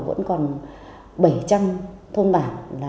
vẫn còn bảy trăm linh thôn bản